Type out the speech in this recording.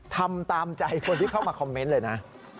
ทำตามใจคนที่เข้ามาคอมเมนต์เลยนะ